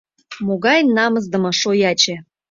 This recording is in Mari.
— Могай намысдыме шояче!»